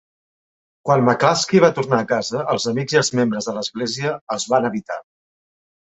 Quan McCluskey va tornar a casa, els amics i els membres de l'església el van evitar.